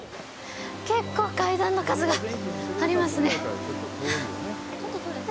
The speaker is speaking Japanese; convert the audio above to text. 結構、階段の数がありますね。